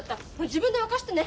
自分で沸かしてね。